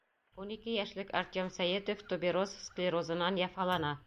Ун ике йәшлек Артем Сәйетов тубероз склерозынан яфалана.